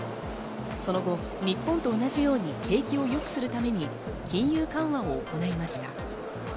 その後、日本と同じように景気を良くするために金融緩和を行いました。